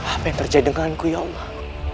apa yang terjadi denganku ya allah